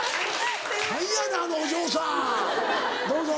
何やねんあのお嬢さんどうぞ。